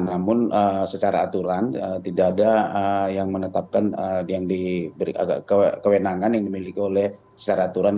namun secara aturan tidak ada yang menetapkan yang diberi kewenangan yang dimiliki oleh secara aturannya